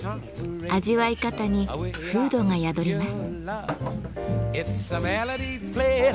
味わい方に風土が宿ります。